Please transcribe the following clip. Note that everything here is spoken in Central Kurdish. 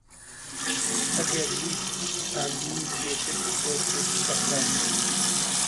ئەگەر ویستت ساندویچێکت بۆ دروست دەکەم.